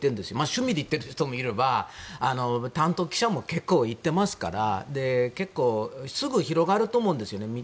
趣味で行ってる人もいれば担当記者も結構行ってますからすぐ広がると思うんですよね。